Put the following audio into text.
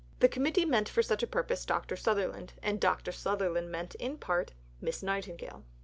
The Committee meant for such a purpose Dr. Sutherland, and Dr. Sutherland meant in part Miss Nightingale.